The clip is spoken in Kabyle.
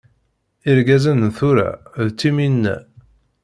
Irgazen n tura d ttimina.